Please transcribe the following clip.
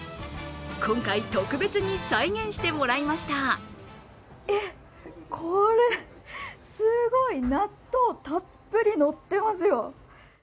今回、特別に再現してもらいましたえっ、これ、すごい納豆、たっぷりのっていますよ。